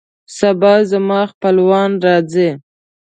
سبا زما خپلوان راځي